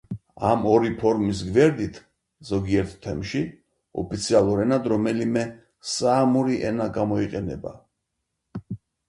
ამ ორი ფორმის გვერდით ზოგიერთ თემში ოფიციალურ ენად რომელიმე საამური ენა გამოიყენება.